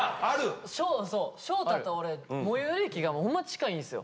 翔太と俺最寄り駅がほんま近いんすよ。